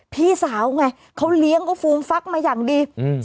พี่สาวไงเขาเลี้ยงก็ฟูมฟักมาอย่างดีอืม